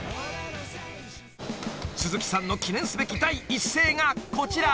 ［鈴木さんの記念すべき第一声がこちら］